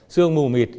xương mù mịt